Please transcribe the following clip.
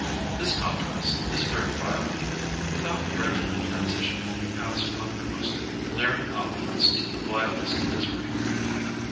This contrast is very violent. Without gradual transition, you pass from the most glaring opulence to the vilest misery.